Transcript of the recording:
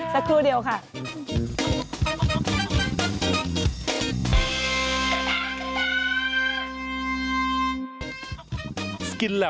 สักครู่เดียวค่ะ